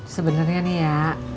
sebenernya nih ya